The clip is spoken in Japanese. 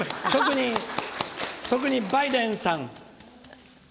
特に、バイデンさん